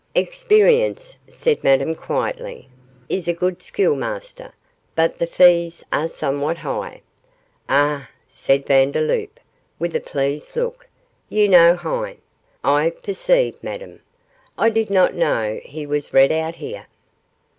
'Experience,' said Madame, quietly, 'is a good schoolmaster, but the fees are somewhat high.' 'Ah!' said Vandeloup, with a pleased look, 'you know Heine, I perceive, Madame. I did not know he was read out here.